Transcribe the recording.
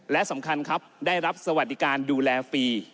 และสำคัญครับได้รับสวัสดิการดูแลฟรี